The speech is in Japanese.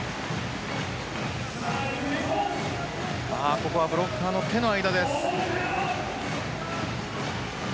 ここはブロッカーの手の間です。